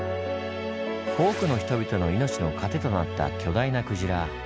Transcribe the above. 多くの人々の命の糧となった巨大な鯨。